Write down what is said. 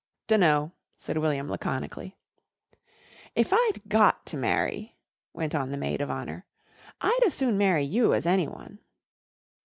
"Dunno," said William laconically. "If I'd got to marry," went on the maid of honour, "I'd as soon marry you as anyone."